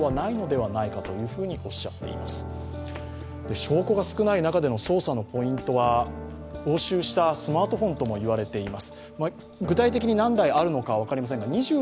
証拠が少ない中での捜査のポイントは押収したスマートフォンともいわれています。